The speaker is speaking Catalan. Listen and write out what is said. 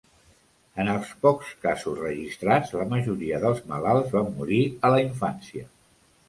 En els pocs casos registrats, la majoria dels malalts van morir a la infància.